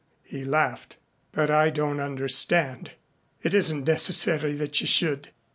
he laughed. "But I don't understand." "It isn't necessary that you should.